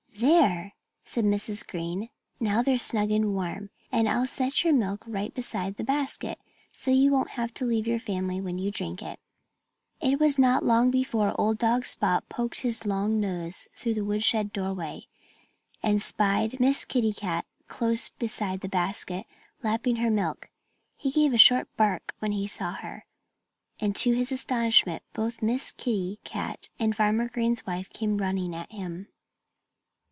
"There!" said Mrs. Green. "Now they're snug and warm. And I'll set your milk right beside the basket, so you won't have to leave your family when you drink it." [Illustration: Miss Kitty Cat Guards Her Kittens.] It was not long before old dog Spot poked his long nose though the woodshed doorway and spied Miss Kitty Cat close beside the basket, lapping her milk. He gave a short bark when he saw her. And to his astonishment both Miss Kitty Cat and Farmer Green's wife came running at him.